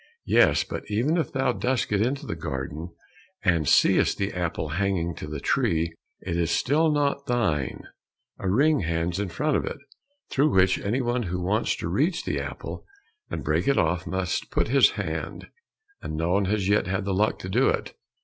"Yes, but even if thou dost get into the garden, and seest the apple hanging to the tree, it is still not thine; a ring hangs in front of it, through which any one who wants to reach the apple and break it off, must put his hand, and no one has yet had the luck to do it."